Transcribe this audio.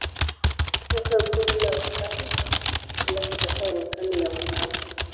Wakaguru na Wakahe bila kusahau Wakami na Wakara